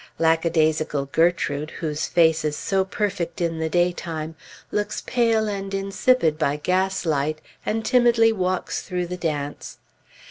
Lackadaisical Gertrude, whose face is so perfect in the daytime, looks pale and insipid by gaslight, and timidly walks through the dance.